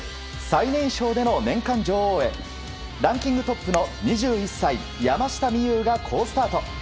最年少での年間女王へランキングトップの２１歳山下美夢有が好スタート。